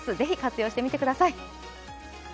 ぜひ活用してみてください。